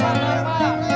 tasik tasik tasik